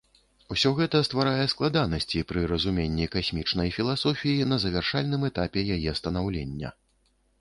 Усё гэта стварае складанасці пры разуменні касмічнай філасофіі на завяршальным этапе яе станаўлення.